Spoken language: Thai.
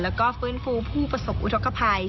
แล้วก็ฟื้นฟูผู้ประสบอุทธกภัย